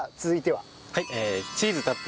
はい。